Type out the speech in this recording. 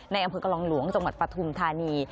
ในอำเภอกลองหลวงจังหวัดปฐุมธานี